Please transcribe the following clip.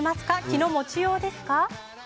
気の持ちようですか。